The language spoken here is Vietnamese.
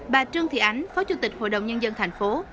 bà trương thị ánh phó chủ tịch hội đồng nhân dân tp